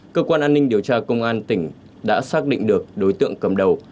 cơ quan an ninh điều tra công an tỉnh đã xác định được đối tượng cầm đầu